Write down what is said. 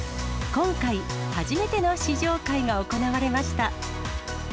今回、初めての試乗会が行われました。